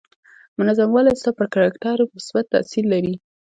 منظم والی ستا پر کرکټر مثبت تاثير لري.